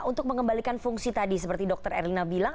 untuk mengembalikan fungsi tadi seperti dr erlina bilang